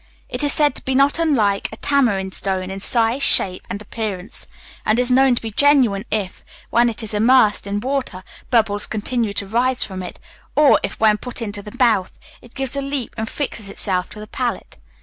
It is said to be not unlike a tamarind stone in size, shape, and appearance; and is known to be genuine if, when it is immersed in water, bubbles continue to rise from it, or if, when put into the mouth, it gives a leap, and fixes itself to the palate.